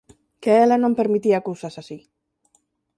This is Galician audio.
Que ela non permitía cousas así.